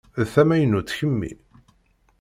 D tamaynutt kemmi?